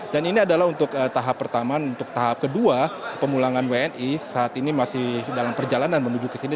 dan ini adalah untuk tahap pertama untuk tahap kedua pemulangan wni saat ini masih dalam perjalanan menuju ke sini